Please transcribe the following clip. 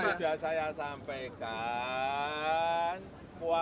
bung mega ketemu dengan pak prabowo